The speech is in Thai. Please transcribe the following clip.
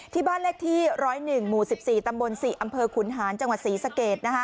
ที่บ้านเลขที่๑๐๑หมู่๑๔ตำบล๔อำเภอขุนหานจังหวัดศรีสเกต